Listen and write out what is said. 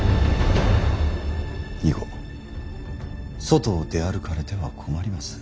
以後外を出歩かれては困ります。